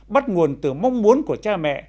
bắt nguồn từ mong muốn của cha mẹ